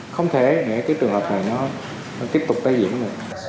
không thể để cái trường hợp này nó tiếp tục tái diễn luôn